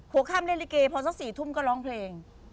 ข้ามเล่นลิเกพอสัก๔ทุ่มก็ร้องเพลง